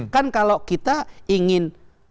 kan kalau kita ingin